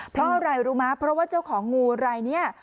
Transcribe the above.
เพราะอะไรรู้มั้ยเพราะว่าเจ้าของงูอะไรเนี่ย